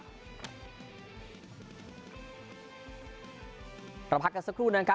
เราพักกันสักครู่นะครับ